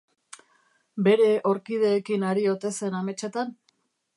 Bere orkideekin ari ote zen ametsetan?